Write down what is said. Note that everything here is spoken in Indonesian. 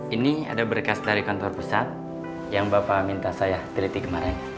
ini ada berkas dari kantor pusat yang bapak minta saya teliti kemarin